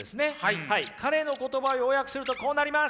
彼の言葉要約するとこうなります。